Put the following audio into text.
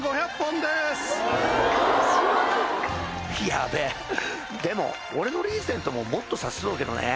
やべえでも俺のリーゼントももっと刺せそうだけどね